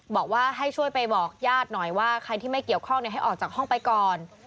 บอกว่าให้ช่วยไปบอกญาติหน่อยว่าใครที่ไม่เกี่ยวข้องให้ออกจากห้องไปก่อน